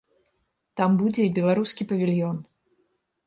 Там будзе і беларускі павільён.